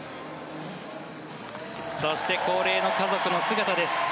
そして恒例の、家族の姿です。